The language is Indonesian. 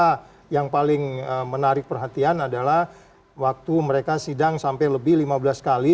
jadi kita yang paling menarik perhatian adalah waktu mereka sidang sampai lebih lima belas kali